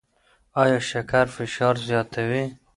ایا شکر فشار زیاتوي؟